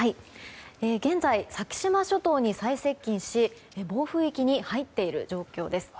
現在、先島諸島に最接近し暴風域に入っている状況です。